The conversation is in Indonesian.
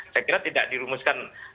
saya kira tidak dirumuskan